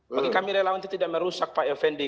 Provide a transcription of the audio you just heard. bagi kami relawan itu tidak merusak pak effendi